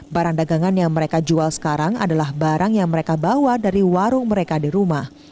barang dagangan yang mereka jual sekarang adalah barang yang mereka bawa dari warung mereka di rumah